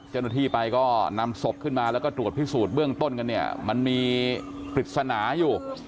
เจ้าหน้าที่ไปก็นำศพขึ้นมาแล้วก็ตรวจพิสูจน์เบื้องต้นกันเนี่ยมันมีปริศนาอยู่